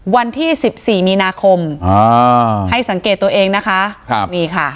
วันที่๑๔มีนาคมให้สังเกตตัวเองนะคะ